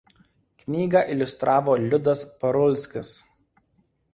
Knygą iliustravo Liudas Parulskis.